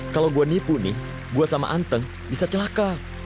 kalau gue nipu nih gue sama anteng bisa celaka